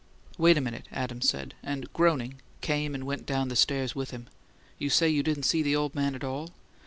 "Wait a minute," Adams said, and, groaning, came and went down the stairs with him. "You say you didn't see the old man at all?"